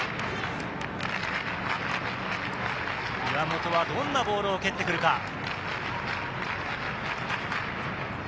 岩本はどんなボールを蹴ってくるか？